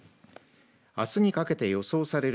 あすにかけて予想される